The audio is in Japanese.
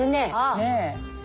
ねえ。